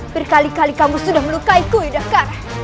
berkali kali kamu sudah melukaiku yudhakara